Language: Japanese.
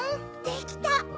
できた！